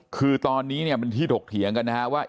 คือตอนนี้เนี่ยมันที่ถกเถียงกันนะฮะว่า